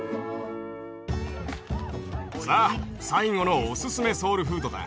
さあ最後のおすすめソウルフードだ。